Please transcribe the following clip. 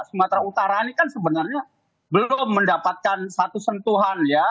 sumatera utara ini kan sebenarnya belum mendapatkan satu sentuhan ya